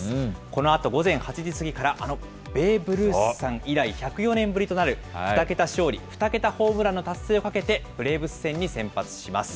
このあと午前８時過ぎから、あのベーブ・ルースさん以来１０４年ぶりとなる２桁勝利、２桁ホームランの達成をかけて、ブレーブス戦に先発します。